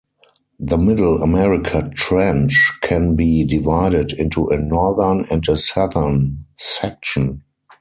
The Middle America Trench can be divided into a northern and a southern section.